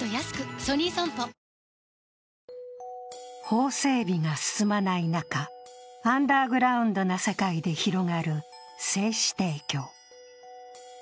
法整備が進まない中、アンダーグラウンドな世界で広がる精子提供。